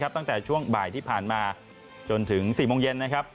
ตั้งแต่ช่วงบ่ายที่ผ่านมาจนถึง๔โมงเย็นนะครับ